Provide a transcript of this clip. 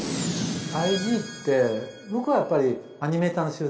Ｉ．Ｇって僕はやっぱりアニメーターの集団。